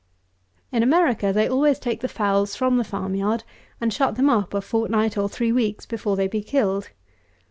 In America they always take the fowls from the farm yard, and shut them up a fortnight or three weeks before they be killed.